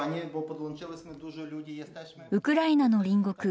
ウクライナの隣国